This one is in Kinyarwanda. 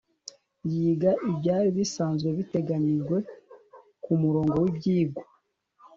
yiga ibyari bisanzwe biteganyijwe k'umurongo w'ibyigwa